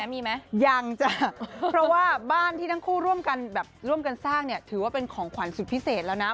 มีไหมยังจ้ะเพราะว่าบ้านที่ทั้งคู่ร่วมกันแบบร่วมกันสร้างเนี่ยถือว่าเป็นของขวัญสุดพิเศษแล้วนะ